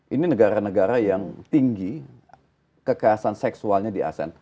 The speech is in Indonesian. ini negara negara yang tinggi kekerasan seksualnya di asean